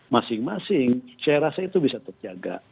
masing masing saya rasa itu bisa terjaga